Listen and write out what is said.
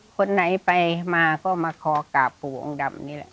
คนไหนไปมาก็มาขอกราบปู่องค์ดำนี่แหละ